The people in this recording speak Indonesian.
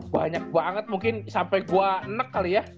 banyak banget mungkin sampai gua nek kali ya